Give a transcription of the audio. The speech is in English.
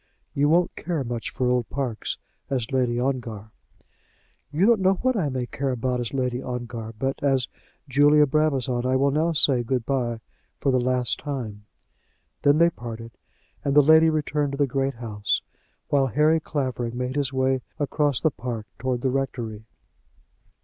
"You won't care much for old parks as Lady Ongar." "You don't know what I may care about as Lady Ongar; but as Julia Brabazon I will now say good by for the last time." Then they parted, and the lady returned to the great house, while Harry Clavering made his way across the park towards the rectory.